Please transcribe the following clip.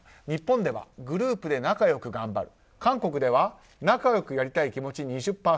日本ではグループで仲良く頑張る韓国では仲良くやりたい気持ち２０％